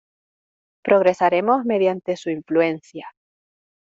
Progresaremos mediante su influencia.